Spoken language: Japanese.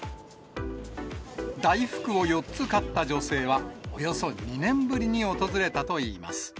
大福を４つ買った女性は、およそ２年ぶりに訪れたといいます。